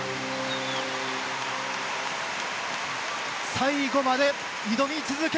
最後まで挑み続ける！